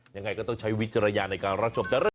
ยังไงก็ต้องใช้วิจารณญาณในการรับชม